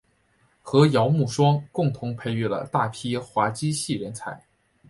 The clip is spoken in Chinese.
和姚慕双共同培育了大批滑稽戏人才。